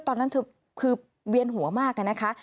ตอนนั้นเธอคือเวียนหัวมากนะคะ